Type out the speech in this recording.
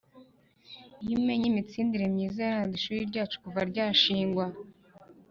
iyo umenye imitsindire myiza yaranze ishuri ryacu kuva ryashingwa,